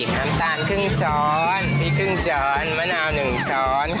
น้ำตาลครึ่งช้อนพริกครึ่งช้อนมะนาว๑ช้อน